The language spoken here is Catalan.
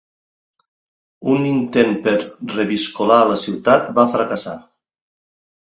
Un intent per reviscolar la ciutat va fracassar.